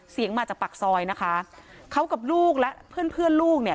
เสียงมาจากปากซอยนะคะเขากับลูกและเพื่อนเพื่อนลูกเนี่ย